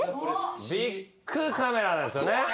ビックカメラなんですよね。